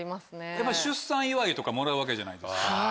やっぱり出産祝いとかもらうわけじゃないですか。